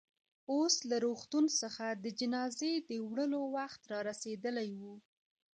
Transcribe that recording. اوس له روغتون څخه د جنازې د وړلو وخت رارسېدلی و.